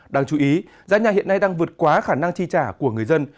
đáng chú ý giá nhà hiện nay đang vượt quá khả năng chi trả của người dân